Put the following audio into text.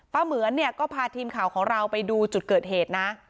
เหมือนเนี่ยก็พาทีมข่าวของเราไปดูจุดเกิดเหตุนะ